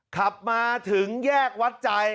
ขับมาถึงแยกวัดใจ